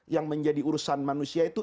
yang menjadi urusan manusia itu